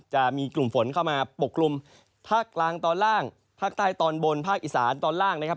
จะมีกลุ่มฝนเข้ามาปกกลุ่มภาคกลางตอนล่างภาคใต้ตอนบนภาคอีสานตอนล่างนะครับ